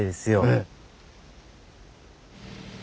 ええ。